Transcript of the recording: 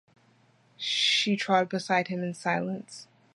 She trod beside him in silence.